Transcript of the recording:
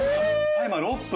タイマー６分。